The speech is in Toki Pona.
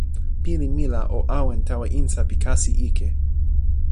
pilin mi la o awen tawa insa pi kasi ike.